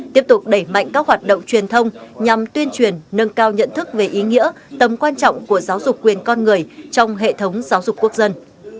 tiếp tục đẩy mạnh các hoạt động truyền thông nhằm tuyên truyền nâng cao nhận thức về ý nghĩa tầm quan trọng của giáo dục quyền con người trong hệ thống giáo dục quốc dân